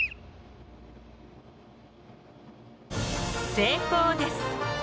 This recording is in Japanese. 成功です。